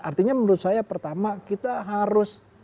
artinya menurut saya pertama kita harus